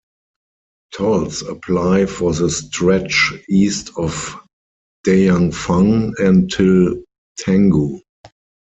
Tolls apply for the stretch east of Dayangfang until Tanggu.